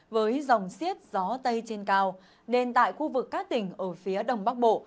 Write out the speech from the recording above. với dòng siết gió tây trên cao đền tại khu vực các tỉnh ở phía đông bắc bộ